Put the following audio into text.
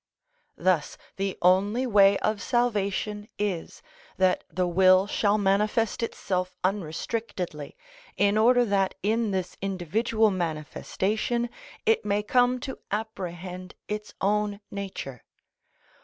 Thus the only way of salvation is, that the will shall manifest itself unrestrictedly, in order that in this individual manifestation it may come to apprehend its own nature.